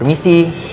lagi sendiri dia